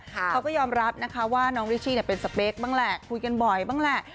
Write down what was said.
เขาก็ยอมรับนะคะว่าน้องริชชี่เป็นสเปคบ้างแหละคุยกันบ่อยบ้างแหละ